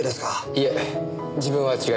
いえ自分は違います。